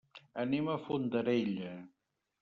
Anem a Fondarella.